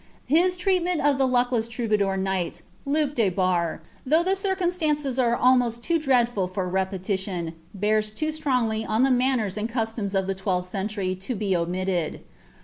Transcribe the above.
Hia treatment of the lucklrv troubadour knight, Luke de Barrt,* though the circumstances are almoct loo drewlful for repetition, bears loo strongly on the manners and cn» loms of the twelfth century to be omitted.